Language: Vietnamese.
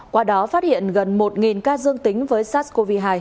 qua đó phát hiện gần một ca dương tính với sars cov hai